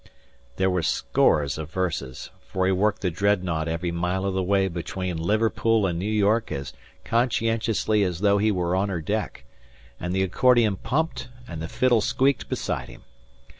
There were scores of verses, for he worked the Dreadnought every mile of the way between Liverpool and New York as conscientiously as though he were on her deck, and the accordion pumped and the fiddle squeaked beside him.